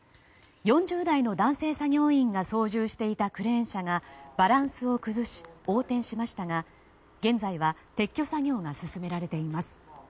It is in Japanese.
４０代の男性作業員が操縦していたクレーン車がバランスを崩し横転しましたが現在は撤去作業が進められています。